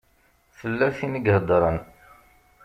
Tella tin i iheddṛen.